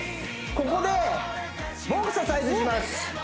ここでボクササイズします